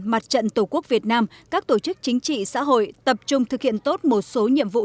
mặt trận tổ quốc việt nam các tổ chức chính trị xã hội tập trung thực hiện tốt một số nhiệm vụ